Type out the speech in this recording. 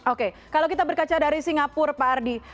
oke kalau kita berkaca dari singapura pak ardi